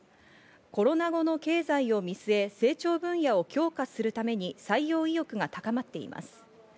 コロナ後の経済を見据え、成長分野を強化するために採用意欲が高まっています。